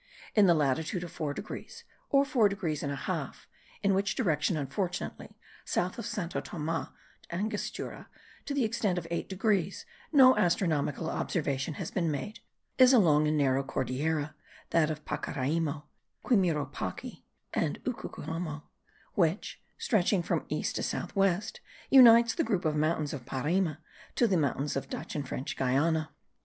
In the latitude of four degrees or four degrees and a half (in which direction unfortunately, south of Santo Thome del Angostura to the extent of eight degrees, no astronomical observation has been made) is a long and narrow Cordillera, that of Pacaraimo, Quimiropaca, and Ucucuamo; which, stretching from east to south west, unites the group of mountains of Parima to the mountains of Dutch and French Guiana.